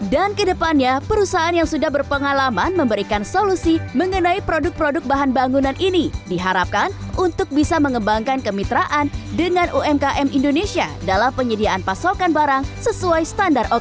dan kedepannya perusahaan yang sudah berpengalaman memberikan solusi mengenai produk produk bahan bangunan ini diharapkan untuk bisa mengembangkan kemitraan dengan umkm indonesia dalam penyediaan pasokan barang sesuai standar okb